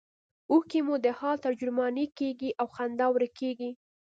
اوښکې مو د حال ترجمانې کیږي او خندا ورکیږي